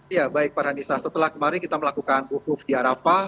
ya baik farhanisa setelah kemarin kita melakukan wukuf di arafah